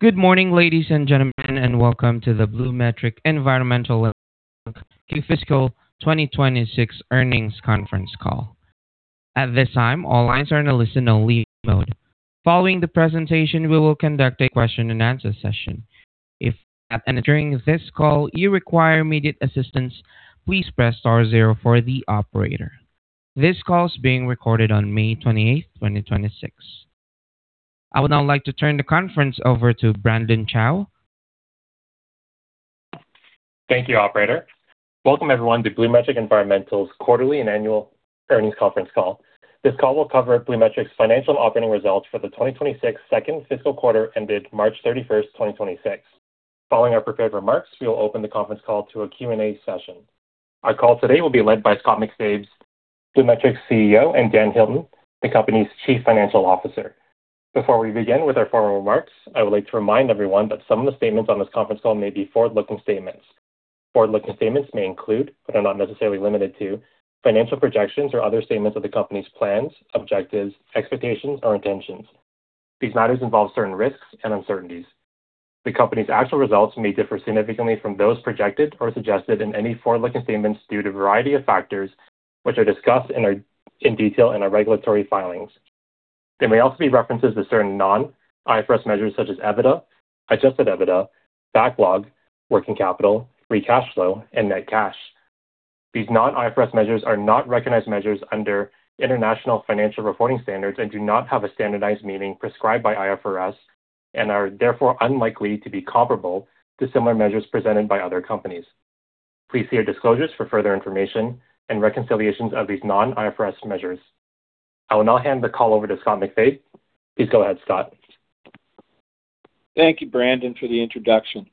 Good morning, ladies and gentlemen, and welcome to the BluMetric Environmental Inc. Q2 fiscal 2026 earnings conference call. At this time, all lines are in a listen-only mode. Following the presentation, we will conduct a question and answer session. If at any during this call you require immediate assistance, please press star zero for the operator. This call is being recorded on May 28th, 2026. I would now like to turn the conference over to Brandon Chow. Thank you, operator. Welcome everyone to BluMetric Environmental's quarterly and annual earnings conference call. This call will cover BluMetric's financial and operating results for the 2026 second fiscal quarter ended March 31st, 2026. Following our prepared remarks, we will open the conference call to a Q&A session. Our call today will be led by Scott MacFabe, BluMetric's CEO, and Dan Hilton, the company's Chief Financial Officer. Before we begin with our formal remarks, I would like to remind everyone that some of the statements on this conference call may be forward-looking statements. Forward-looking statements may include, but are not necessarily limited to, financial projections or other statements of the company's plans, objectives, expectations, or intentions. These matters involve certain risks and uncertainties. The company's actual results may differ significantly from those projected or suggested in any forward-looking statements due to a variety of factors, which are discussed in detail in our regulatory filings. There may also be references to certain non-IFRS measures such as EBITDA, Adjusted EBITDA, backlog, working capital, free cash flow, and net cash. These non-IFRS measures are not recognized measures under International Financial Reporting Standards and do not have a standardized meaning prescribed by IFRS and are therefore unlikely to be comparable to similar measures presented by other companies. Please see our disclosures for further information and reconciliations of these non-IFRS measures. I will now hand the call over to Scott MacFabe. Please go ahead, Scott. Thank you, Brandon, for the introduction.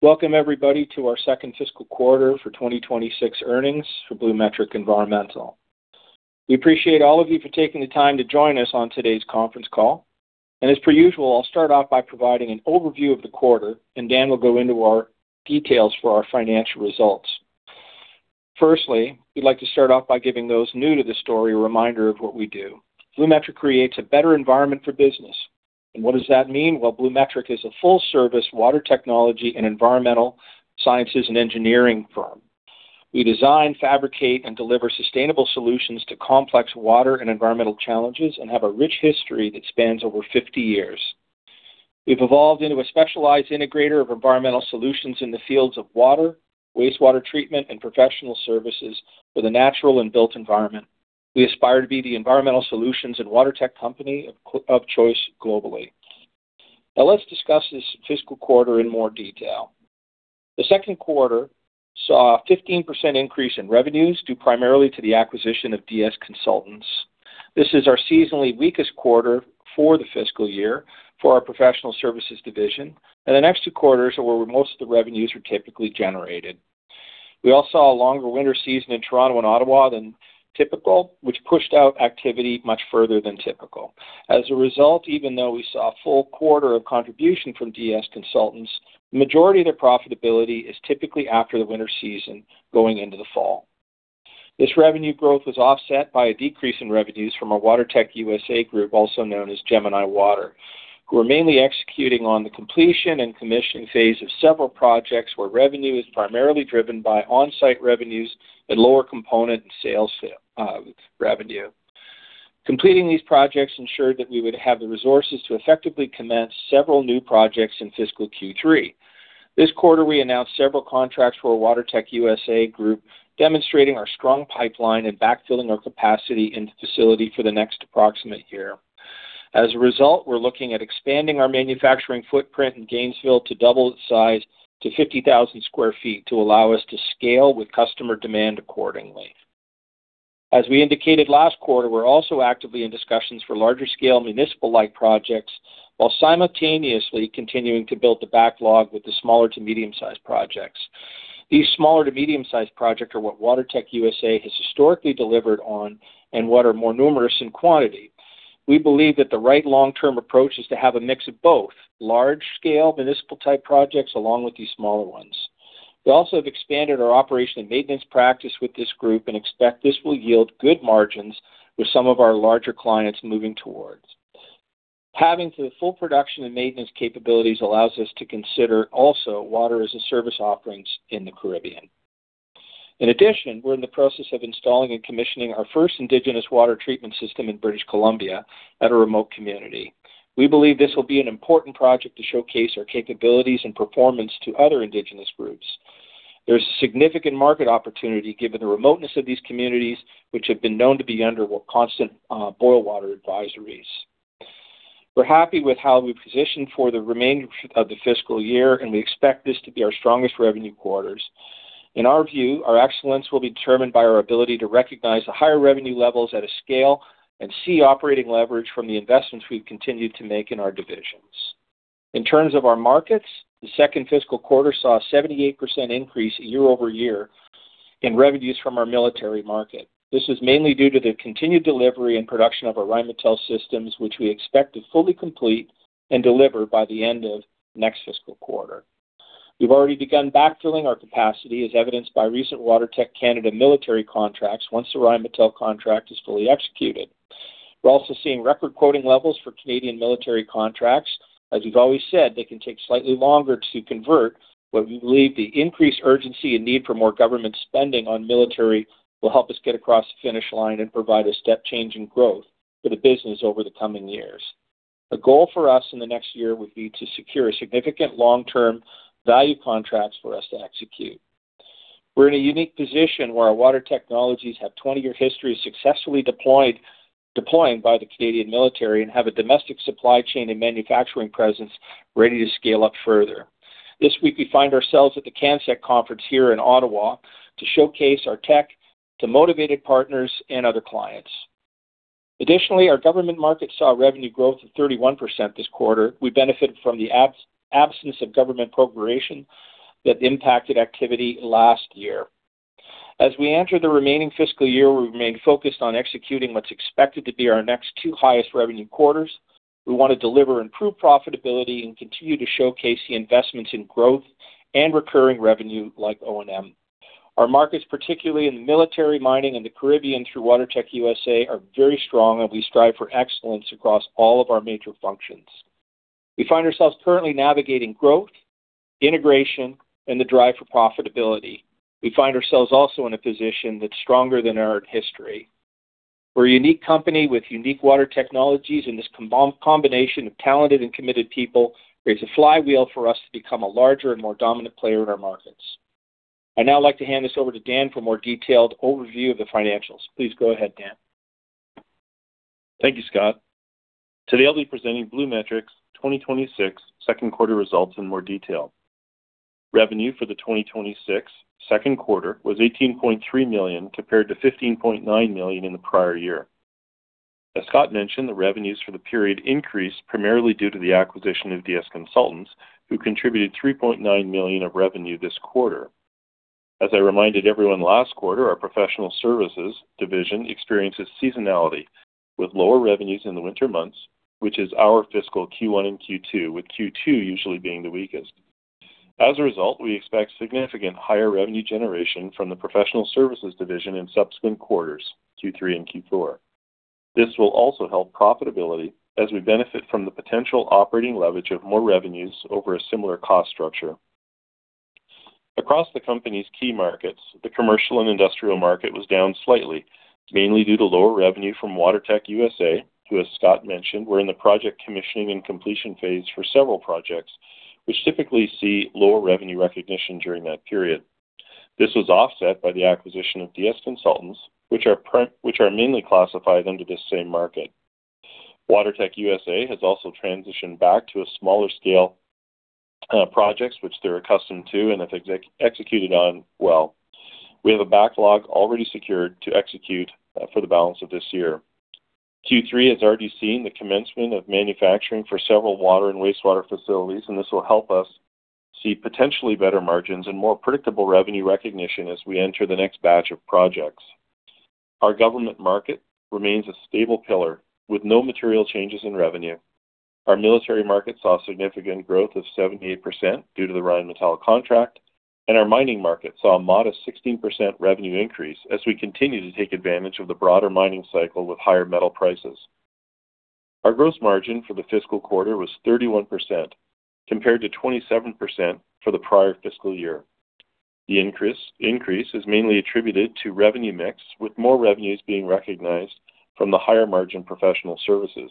Welcome everybody to our second fiscal quarter for 2026 earnings for BluMetric Environmental. We appreciate all of you for taking the time to join us on today's conference call. As per usual, I'll start off by providing an overview of the quarter, and Dan will go into our details for our financial results. Firstly, we'd like to start off by giving those new to the story a reminder of what we do. BluMetric creates a better environment for business. What does that mean? Well, BluMetric is a full-service water technology and environmental sciences and engineering firm. We design, fabricate, and deliver sustainable solutions to complex water and environmental challenges and have a rich history that spans over 50 years. We've evolved into a specialized integrator of environmental solutions in the fields of water, wastewater treatment, and professional services for the natural and built environment. We aspire to be the environmental solutions and WaterTech company of choice globally. Let's discuss this fiscal quarter in more detail. The second quarter saw a 15% increase in revenues due primarily to the acquisition of DS Consultants. This is our seasonally weakest quarter for the fiscal year for our professional services division, and the next two quarters are where most of the revenues are typically generated. We all saw a longer winter season in Toronto and Ottawa than typical, which pushed out activity much further than typical. As a result, even though we saw a full quarter of contribution from DS Consultants, the majority of their profitability is typically after the winter season going into the fall. This revenue growth was offset by a decrease in revenues from our WaterTech USA group, also known as Gemini Water, who are mainly executing on the completion and commissioning phase of several projects where revenue is primarily driven by on-site revenues and lower component and sales revenue. Completing these projects ensured that we would have the resources to effectively commence several new projects in fiscal Q3. This quarter, we announced several contracts for our WaterTech USA group, demonstrating our strong pipeline and backfilling our capacity and facility for the next approximate year. As a result, we're looking at expanding our manufacturing footprint in Gainesville to double its size to 50,000 sq ft to allow us to scale with customer demand accordingly. As we indicated last quarter, we're also actively in discussions for larger scale municipal-like projects while simultaneously continuing to build the backlog with the smaller to medium-sized projects. These smaller to medium-sized projects are what WaterTech USA has historically delivered on and what are more numerous in quantity. We believe that the right long-term approach is to have a mix of both large scale municipal type projects along with these smaller ones. We also have expanded our operation and maintenance practice with this group and expect this will yield good margins with some of our larger clients moving towards. Having the full production and maintenance capabilities allows us to consider also water as a service offerings in the Caribbean. In addition, we're in the process of installing and commissioning our first indigenous water treatment system in British Columbia at a remote community. We believe this will be an important project to showcase our capabilities and performance to other indigenous groups. There's significant market opportunity given the remoteness of these communities, which have been known to be under constant boil water advisories. We're happy with how we've positioned for the remainder of the fiscal year, and we expect this to be our strongest revenue quarters. In our view, our excellence will be determined by our ability to recognize the higher revenue levels at a scale and see operating leverage from the investments we've continued to make in our divisions. In terms of our markets, the second fiscal quarter saw a 78% increase year-over-year in revenues from our military market. This is mainly due to the continued delivery and production of our Rheinmetall systems, which we expect to fully complete and deliver by the end of next fiscal quarter. We've already begun backfilling our capacity, as evidenced by recent WaterTech Canada military contracts, once the Rheinmetall contract is fully executed. We're also seeing record quoting levels for Canadian military contracts. As we've always said, they can take slightly longer to convert. We believe the increased urgency and need for more government spending on military will help us get across the finish line and provide a step change in growth for the business over the coming years. A goal for us in the next year would be to secure significant long-term value contracts for us to execute. We're in a unique position where our water technologies have a 20-year history of successfully deploying by the Canadian military and have a domestic supply chain and manufacturing presence ready to scale up further. This week, we find ourselves at the CANSEC conference here in Ottawa to showcase our tech to motivated partners and other clients. Additionally, our government market saw revenue growth of 31% this quarter. We benefited from the absence of government appropriation that impacted activity last year. As we enter the remaining fiscal year, we remain focused on executing what's expected to be our next two highest revenue quarters. We want to deliver improved profitability and continue to showcase the investments in growth and recurring revenue like O&M. Our markets, particularly in the military, mining, and the Caribbean through WaterTech USA, are very strong, and we strive for excellence across all of our major functions. We find ourselves currently navigating growth, integration, and the drive for profitability. We find ourselves also in a position that's stronger than our history. We're a unique company with unique water technologies, and this combination of talented and committed people creates a flywheel for us to become a larger and more dominant player in our markets. I'd now like to hand this over to Dan for a more detailed overview of the financials. Please go ahead, Dan. Thank you, Scott. Today, I'll be presenting BluMetric's 2026 second quarter results in more detail. Revenue for the 2026 second quarter was 18.3 million, compared to 15.9 million in the prior year. As Scott mentioned, the revenues for the period increased primarily due to the acquisition of DS Consultants Ltd., who contributed 3.9 million of revenue this quarter. As I reminded everyone last quarter, our professional services division experiences seasonality, with lower revenues in the winter months, which is our fiscal Q1 and Q2, with Q2 usually being the weakest. As a result, we expect significantly higher revenue generation from the professional services division in subsequent quarters, Q3 and Q4. This will also help profitability as we benefit from the potential operating leverage of more revenues over a similar cost structure. Across the company's key markets, the commercial and industrial market was down slightly, mainly due to lower revenue from WaterTech USA, who, as Scott MacFabe mentioned, were in the project commissioning and completion phase for several projects, which typically see lower revenue recognition during that period. This was offset by the acquisition of DS Consultants, which are mainly classified under this same market. WaterTech USA has also transitioned back to smaller-scale projects, which they're accustomed to and have executed on well. We have a backlog already secured to execute for the balance of this year. Q3 has already seen the commencement of manufacturing for several water and wastewater facilities, and this will help us see potentially better margins and more predictable revenue recognition as we enter the next batch of projects. Our government market remains a stable pillar, with no material changes in revenue. Our military market saw significant growth of 78% due to the Rheinmetall contract, and our mining market saw a modest 16% revenue increase as we continue to take advantage of the broader mining cycle with higher metal prices. Our gross margin for the fiscal quarter was 31%, compared to 27% for the prior fiscal year. The increase is mainly attributed to revenue mix, with more revenues being recognized from the higher-margin professional services.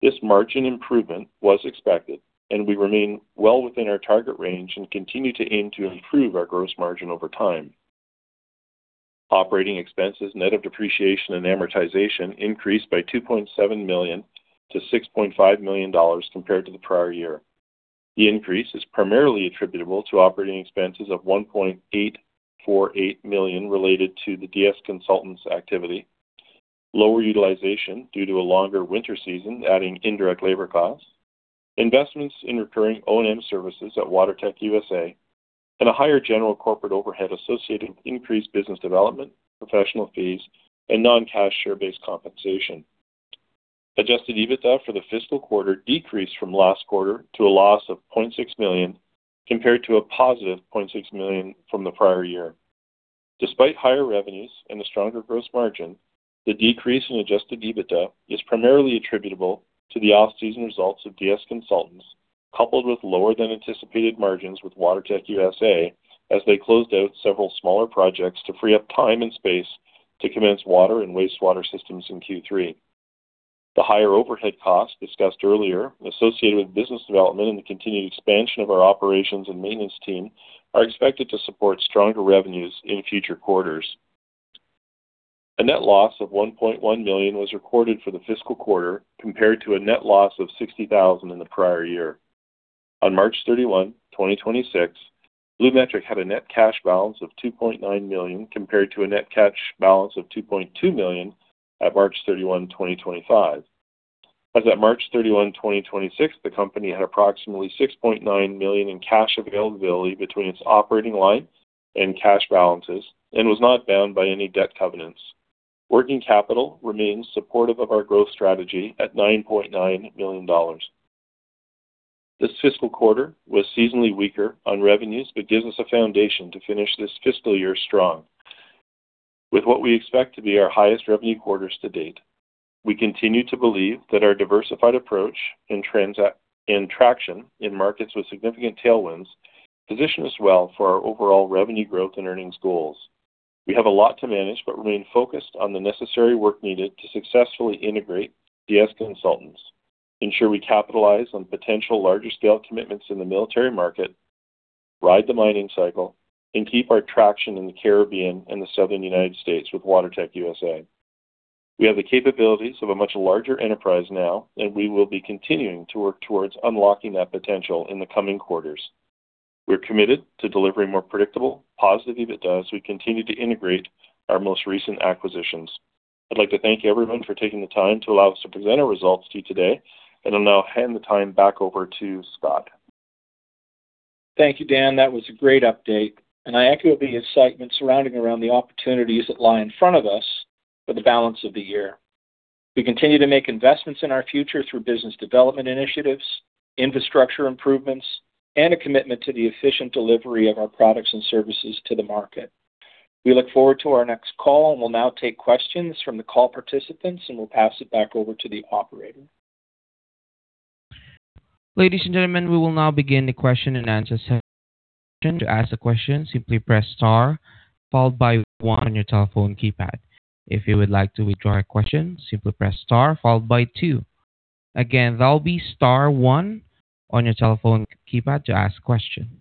This margin improvement was expected, and we remain well within our target range and continue to aim to improve our gross margin over time. Operating expenses, net of depreciation and amortization, increased by 2.7 million to 6.5 million dollars compared to the prior year. The increase is primarily attributable to operating expenses of 1.848 million related to the DS Consultants activity, lower utilization due to a longer winter season adding indirect labor costs, investments in recurring O&M services at WaterTech USA, and a higher general corporate overhead associated with increased business development, professional fees, and non-cash share-based compensation. Adjusted EBITDA for the fiscal quarter decreased from last quarter to a loss of 0.6 million, compared to a positive 0.6 million from the prior year. Despite higher revenues and a stronger gross margin, the decrease in Adjusted EBITDA is primarily attributable to the off-season results of DS Consultants, coupled with lower than anticipated margins with WaterTech USA as they closed out several smaller projects to free up time and space to commence water and wastewater systems in Q3. The higher overhead costs discussed earlier associated with business development and the continued expansion of our operations and maintenance team are expected to support stronger revenues in future quarters. A net loss of 1.1 million was recorded for the fiscal quarter, compared to a net loss of 60,000 in the prior year. On March 31, 2026, BluMetric had a net cash balance of 2.9 million, compared to a net cash balance of 2.2 million at March 31, 2025. As at March 31, 2026, the company had approximately 6.9 million in cash availability between its operating line and cash balances and was not bound by any debt covenants. Working capital remains supportive of our growth strategy at 9.9 million dollars. This fiscal quarter was seasonally weaker on revenues, gives us a foundation to finish this fiscal year strong. With what we expect to be our highest revenue quarters to date, we continue to believe that our diversified approach and traction in markets with significant tailwinds position us well for our overall revenue growth and earnings goals. We have a lot to manage, but remain focused on the necessary work needed to successfully integrate DS Consultants, ensure we capitalize on potential larger scale commitments in the military market, ride the mining cycle, and keep our traction in the Caribbean and the Southern U.S. with WaterTech USA. We have the capabilities of a much larger enterprise now, and we will be continuing to work towards unlocking that potential in the coming quarters. We're committed to delivering more predictable, positive EBITDA as we continue to integrate our most recent acquisitions. I'd like to thank everyone for taking the time to allow us to present our results to you today. I'll now hand the time back over to Scott. Thank you, Dan. That was a great update, and I echo the excitement surrounding around the opportunities that lie in front of us for the balance of the year. We continue to make investments in our future through business development initiatives, infrastructure improvements, and a commitment to the efficient delivery of our products and services to the market. We look forward to our next call, and we'll now take questions from the call participants, and we'll pass it back over to the operator. Ladies and gentlemen, we will now begin the question and answer session. To ask a question, simply press star, followed by one on your telephone keypad. If you would like to withdraw a question, simply press star followed by two. Again, that'll be star one on your telephone keypad to ask a question.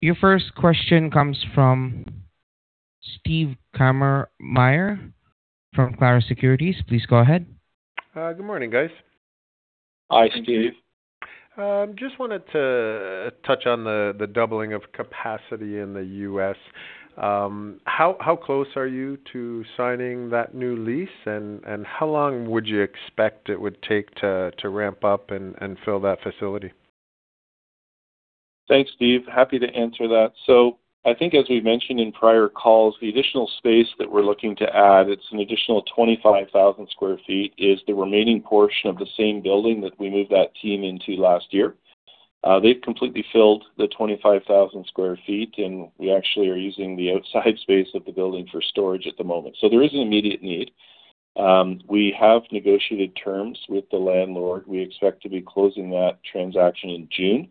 Your first question comes from Steve Kammermayer from Clarus Securities. Please go ahead. Good morning, guys. Hi, Steve. Just wanted to touch on the doubling of capacity in the U.S. How close are you to signing that new lease, and how long would you expect it would take to ramp up and fill that facility? Thanks, Steve. Happy to answer that. I think as we've mentioned in prior calls, the additional space that we're looking to add, it's an additional 25,000 sq ft, is the remaining portion of the same building that we moved that team into last year. They've completely filled the 25,000 sq ft, and we actually are using the outside space of the building for storage at the moment. There is an immediate need. We have negotiated terms with the landlord. We expect to be closing that transaction in June.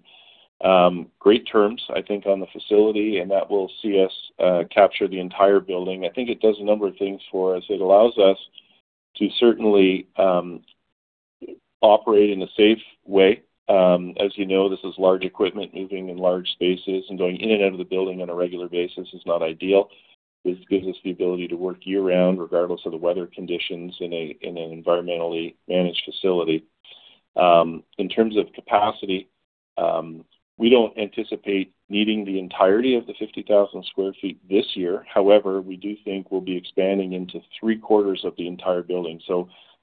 Great terms, I think, on the facility, and that will see us capture the entire building. I think it does a number of things for us. It allows us to certainly operate in a safe way. As you know, this is large equipment, moving in large spaces, and going in and out of the building on a regular basis is not ideal. This gives us the ability to work year-round, regardless of the weather conditions, in an environmentally managed facility. In terms of capacity, we don't anticipate needing the entirety of the 50,000 sq ft this year. We do think we'll be expanding into three quarters of the entire building.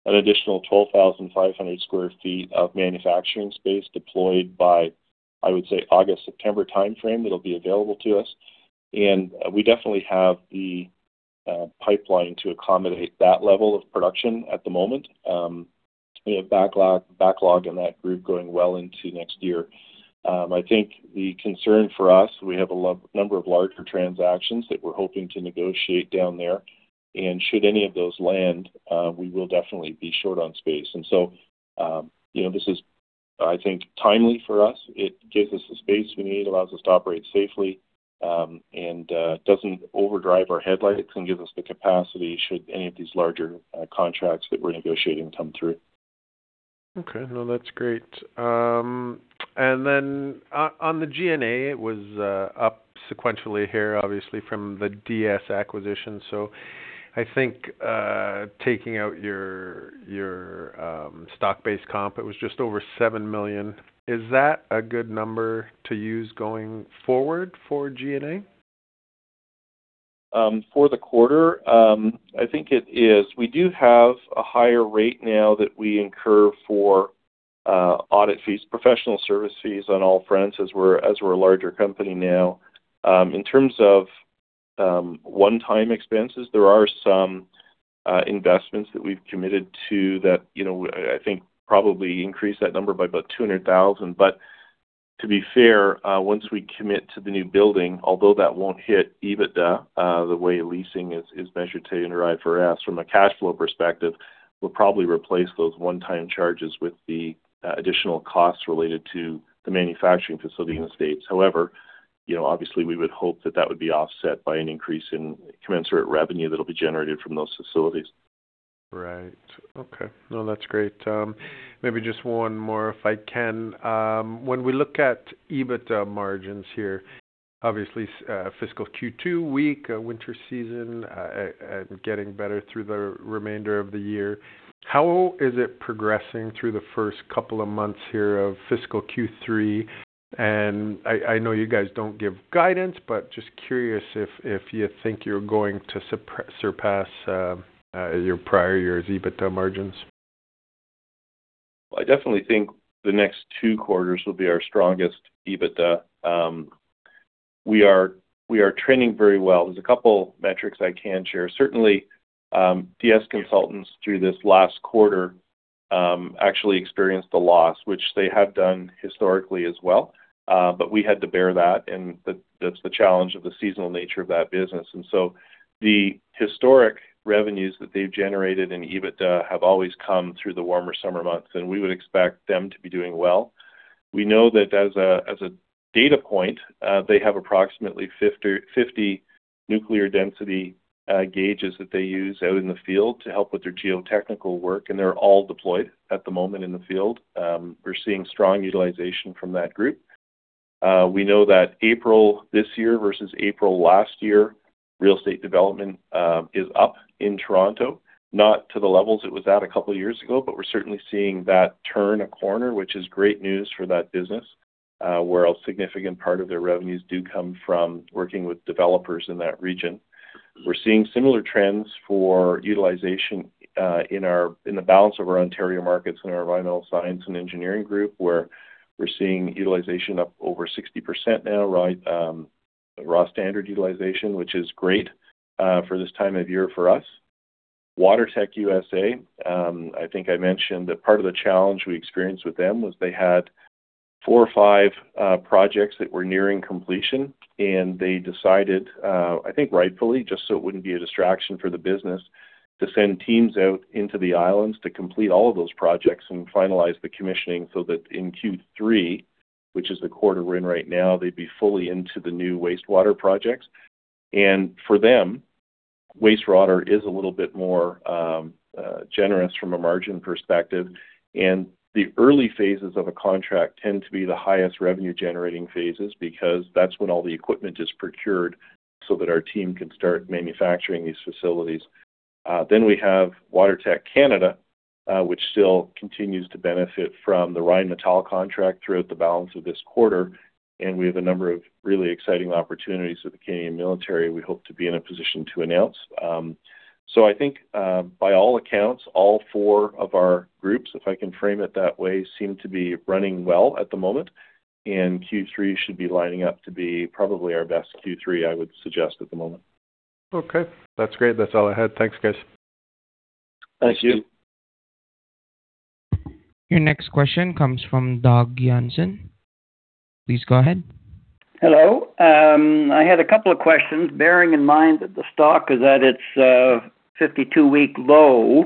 An additional 12,500 sq ft of manufacturing space deployed by, I would say, August, September timeframe, it'll be available to us. We definitely have the pipeline to accommodate that level of production at the moment. We have backlog in that group going well into next year. I think the concern for us, we have a number of larger transactions that we're hoping to negotiate down there, and should any of those land, we will definitely be short on space. This is, I think, timely for us. It gives us the space we need, allows us to operate safely, and doesn't overdrive our headlights, and gives us the capacity should any of these larger contracts that we're negotiating come through. Okay. No, that's great. On the G&A, it was up sequentially here, obviously, from the DS acquisition. I think, taking out your stock-based comp, it was just over 7 million. Is that a good number to use going forward for G&A? For the quarter? I think it is. We do have a higher rate now that we incur for audit fees, professional service fees on all fronts as we're a larger company now. In terms of one-time expenses, there are some investments that we've committed to that I think probably increase that number by about 200,000. To be fair, once we commit to the new building, although that won't hit EBITDA, the way leasing is measured today under IFRS, from a cash flow perspective, we'll probably replace those one-time charges with the additional costs related to the manufacturing facility in the States. Obviously, we would hope that that would be offset by an increase in commensurate revenue that'll be generated from those facilities. Right. Okay. No, that's great. Maybe just one more if I can. When we look at EBITDA margins here, obviously, fiscal Q2 weak, winter season, getting better through the remainder of the year. How is it progressing through the first couple of months here of fiscal Q3? I know you guys don't give guidance, but just curious if you think you're going to surpass your prior year's EBITDA margins. I definitely think the next two quarters will be our strongest EBITDA. We are trending very well. There's a couple metrics I can share. Certainly, DS Consultants Ltd. through this last quarter actually experienced a loss, which they have done historically as well. We had to bear that, and that's the challenge of the seasonal nature of that business. The historic revenues that they've generated in EBITDA have always come through the warmer summer months, and we would expect them to be doing well. We know that as a data point, they have approximately 50 nuclear density gauges that they use out in the field to help with their geotechnical work, and they're all deployed at the moment in the field. We're seeing strong utilization from that group. We know that April this year versus April last year, real estate development is up in Toronto. Not to the levels it was at a couple of years ago, but we're certainly seeing that turn a corner, which is great news for that business, where a significant part of their revenues do come from working with developers in that region. We're seeing similar trends for utilization in the balance of our Ontario markets in our Rinaldi Science and Engineering group, where we're seeing utilization up over 60% now, raw standard utilization, which is great for this time of year for us. WaterTech USA, I think I mentioned that part of the challenge we experienced with them was they had four or five projects that were nearing completion, and they decided, I think rightfully, just so it wouldn't be a distraction for the business, to send teams out into the islands to complete all of those projects and finalize the commissioning so that in Q3, which is the quarter we're in right now, they'd be fully into the new wastewater projects. For them, wastewater is a little bit more generous from a margin perspective. The early phases of a contract tend to be the highest revenue-generating phases because that's when all the equipment is procured so that our team can start manufacturing these facilities. We have WaterTech Canada, which still continues to benefit from the Rheinmetall contract throughout the balance of this quarter. We have a number of really exciting opportunities with the Canadian military we hope to be in a position to announce. I think, by all accounts, all four of our groups, if I can frame it that way, seem to be running well at the moment, and Q3 should be lining up to be probably our best Q3, I would suggest at the moment. Okay. That's great. That's all I had. Thanks, guys. Thank you. Your next question comes from Doug Janssen. Please go ahead. Hello. I had a couple of questions. Bearing in mind that the stock is at its 52-week low,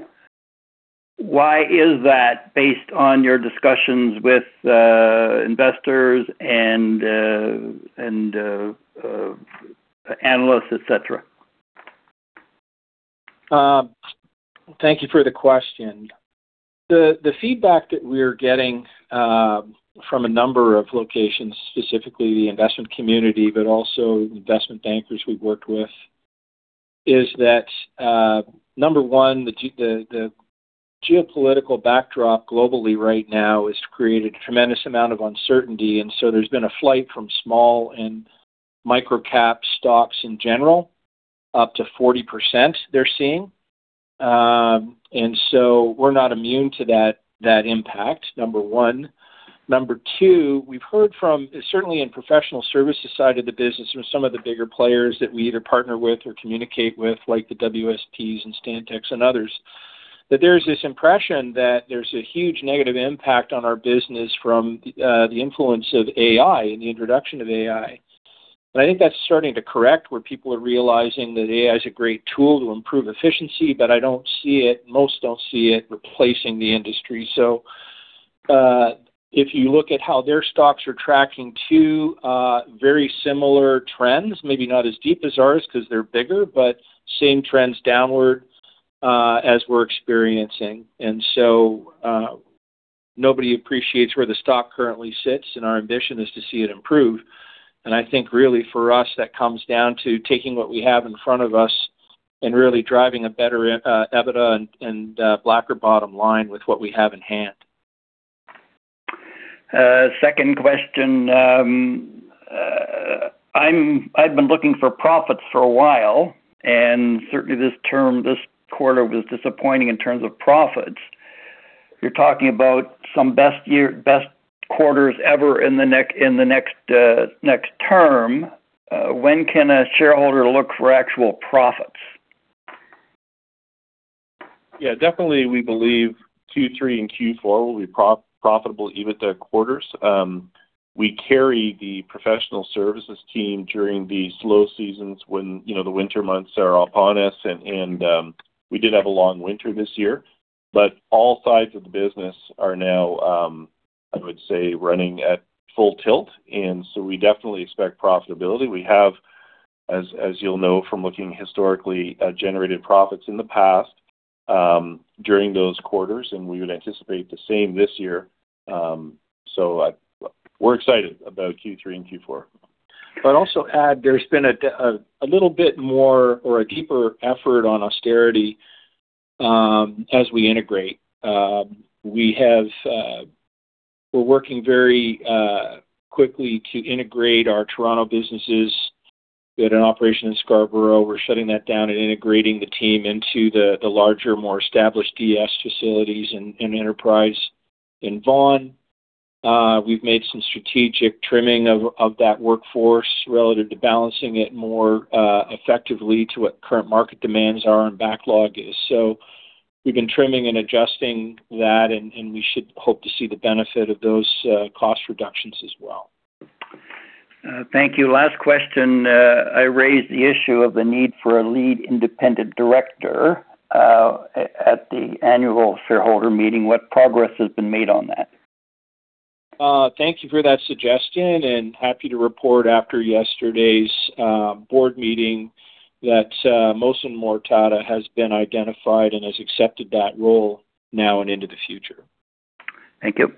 why is that based on your discussions with investors and analysts, etc.? Thank you for the question. The feedback that we're getting from a number of locations, specifically the investment community, but also investment bankers we've worked with, is that, number one, the geopolitical backdrop globally right now has created a tremendous amount of uncertainty, so there's been a flight from small and micro-cap stocks in general, up to 40% they're seeing. We're not immune to that impact, number one. Number two, we've heard from, certainly in professional services side of the business from some of the bigger players that we either partner with or communicate with, like the WSP and Stantec and others, that there's this impression that there's a huge negative impact on our business from the influence of AI and the introduction of AI. I think that's starting to correct where people are realizing that AI is a great tool to improve efficiency, but I don't see it, most don't see it replacing the industry. If you look at how their stocks are tracking, too, very similar trends, maybe not as deep as ours because they're bigger, but same trends downward as we're experiencing. Nobody appreciates where the stock currently sits, and our ambition is to see it improve. I think really for us, that comes down to taking what we have in front of us and really driving a better EBITDA and blacker bottom line with what we have in hand. Second question. I've been looking for profits for a while, and certainly this term, this quarter was disappointing in terms of profits. You're talking about some best quarters ever in the next term. When can a shareholder look for actual profits? We believe Q3 and Q4 will be profitable EBITDA quarters. We carry the professional services team during the slow seasons when the winter months are upon us, and we did have a long winter this year. All sides of the business are now, I would say, running at full tilt, and so we definitely expect profitability. We have, as you'll know from looking historically, generated profits in the past during those quarters, and we would anticipate the same this year. We're excited about Q3 and Q4. I'd also add there's been a little bit more or a deeper effort on austerity as we integrate. We have We're working very quickly to integrate our Toronto businesses. We had an operation in Scarborough. We're shutting that down and integrating the team into the larger, more established DS facilities and Enterprise in Vaughan. We've made some strategic trimming of that workforce relative to balancing it more effectively to what current market demands are and backlog is. We've been trimming and adjusting that, and we should hope to see the benefit of those cost reductions as well. Thank you. Last question. I raised the issue of the need for a lead independent director at the annual shareholder meeting. What progress has been made on that? Thank you for that suggestion, and happy to report after yesterday's board meeting that Mohsen Mortada has been identified and has accepted that role now and into the future. Thank you.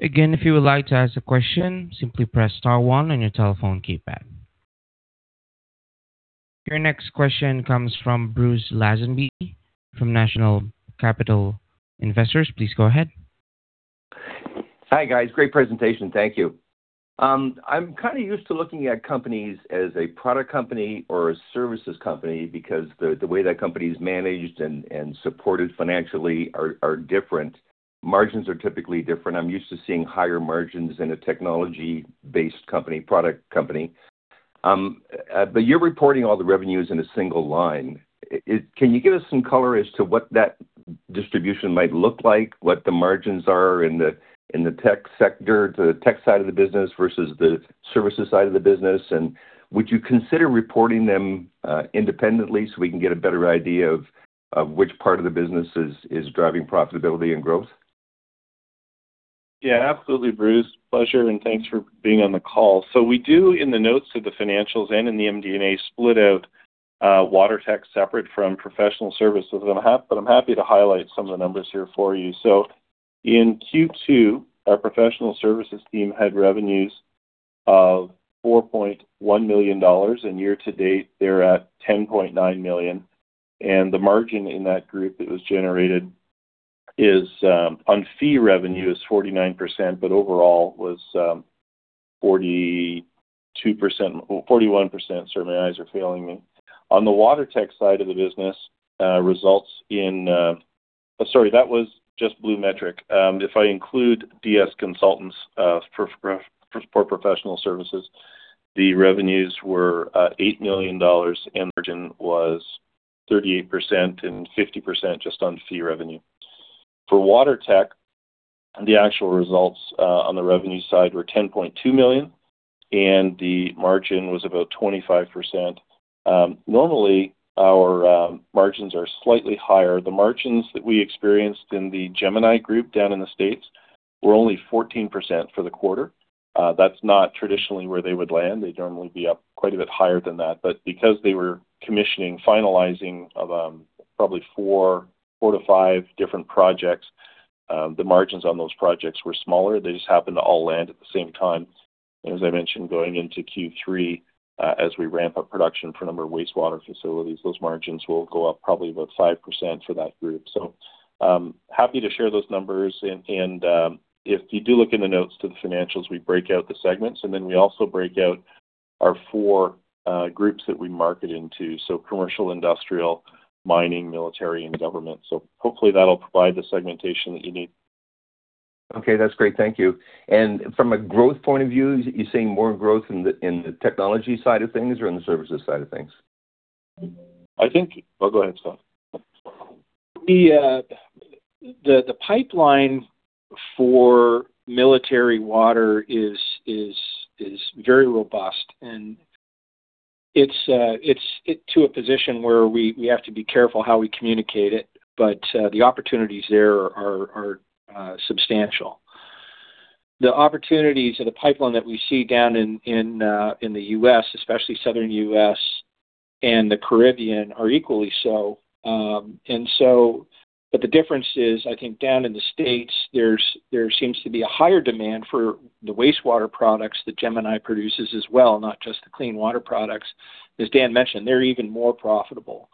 Again, if you would like to ask a question, simply press star 1 on your telephone keypad. Your next question comes from Bruce Lazenby from National Capital Investors. Please go ahead. Hi, guys. Great presentation. Thank you. I'm kind of used to looking at companies as a product company or a services company because the way that company's managed and supported financially are different. Margins are typically different. I'm used to seeing higher margins in a technology-based company, product company. You're reporting all the revenues in a single line. Can you give us some color as to what that distribution might look like, what the margins are in the tech sector, the tech side of the business versus the services side of the business? Would you consider reporting them independently so we can get a better idea of which part of the business is driving profitability and growth? Yeah, absolutely, Bruce. Pleasure, and thanks for being on the call. We do in the notes of the financials and in the MD&A split out WaterTech separate from professional services, but I'm happy to highlight some of the numbers here for you. In Q2, our professional services team had revenues of 4.1 million dollars, and year to date, they're at 10.9 million. The margin in that group that was generated on fee revenue is 49%, but overall was 42%, 41%. Sorry, my eyes are failing me. On the WaterTech side of the business. Sorry, that was just BluMetric. If I include DS Consultants for professional services, the revenues were 8 million dollars, and margin was 38% and 50% just on fee revenue. For WaterTech, the actual results on the revenue side were 10.2 million, and the margin was about 25%. Normally, our margins are slightly higher. The margins that we experienced in the Gemini Group down in the States were only 14% for the quarter. That's not traditionally where they would land. They'd normally be up quite a bit higher than that. Because they were commissioning, finalizing of probably four to five different projects, the margins on those projects were smaller. They just happened to all land at the same time. As I mentioned, going into Q3, as we ramp up production for a number of wastewater facilities, those margins will go up probably about 5% for that group. Happy to share those numbers. If you do look in the notes to the financials, we break out the segments, then we also break out our four groups that we market into, so commercial, industrial, mining, military, and government. Hopefully that'll provide the segmentation that you need. Okay, that's great. Thank you. From a growth point of view, you're seeing more growth in the technology side of things or in the services side of things? I think Oh, go ahead, Scott. The pipeline for military water is very robust. It's to a position where we have to be careful how we communicate it. The opportunities there are substantial. The opportunities or the pipeline that we see down in the U.S., especially southern U.S. and the Caribbean, are equally so. The difference is, I think down in the States, there seems to be a higher demand for the wastewater products that Gemini produces as well, not just the clean water products. As Dan mentioned, they're even more profitable.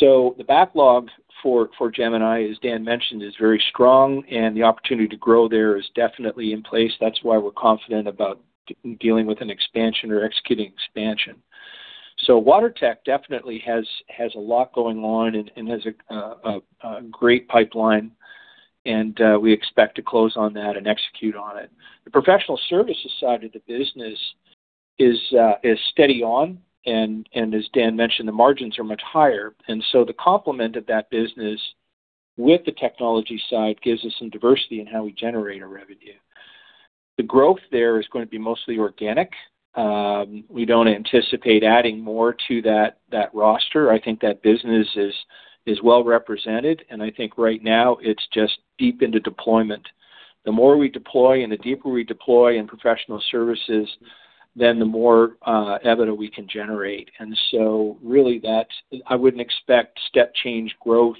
The backlog for Gemini, as Dan mentioned, is very strong. The opportunity to grow there is definitely in place. That's why we're confident about dealing with an expansion or executing expansion. WaterTech definitely has a lot going on and has a great pipeline. We expect to close on that and execute on it. The professional services side of the business is steady on. As Dan mentioned, the margins are much higher. The complement of that business with the technology side gives us some diversity in how we generate our revenue. The growth there is going to be mostly organic. We don't anticipate adding more to that roster. I think that business is well-represented, and I think right now it's just deep into deployment. The more we deploy and the deeper we deploy in professional services, the more EBITDA we can generate. Really that I wouldn't expect step change growth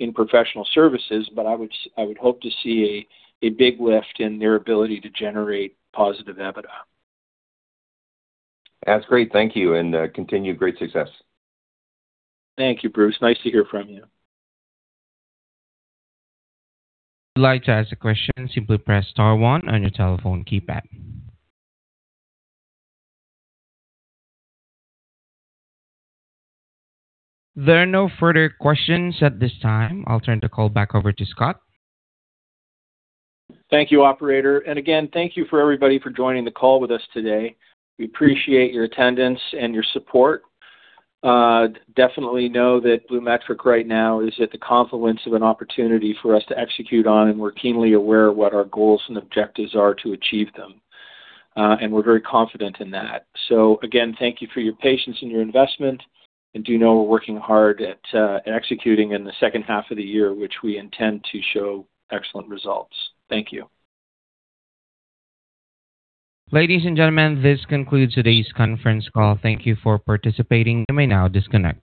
in professional services, but I would hope to see a big lift in their ability to generate positive EBITDA. That's great. Thank you, and continue great success. Thank you, Bruce. Nice to hear from you. There are no further questions at this time. I'll turn the call back over to Scott. Thank you, operator. Again, thank you for everybody for joining the call with us today. We appreciate your attendance and your support. Definitely know that BluMetric right now is at the confluence of an opportunity for us to execute on, and we're keenly aware of what our goals and objectives are to achieve them. We're very confident in that. Again, thank you for your patience and your investment, and do know we're working hard at executing in the second half of the year, which we intend to show excellent results. Thank you. Ladies and gentlemen, this concludes today's conference call. Thank Thank you for participating. You may now disconnect.